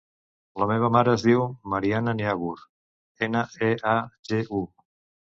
La meva mare es diu Mariana Neagu: ena, e, a, ge, u.